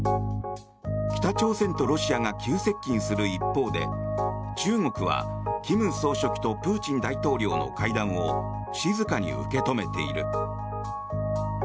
北朝鮮とロシアが急接近する一方で中国は、金総書記とプーチン大統領の会談を静かに受け止めている。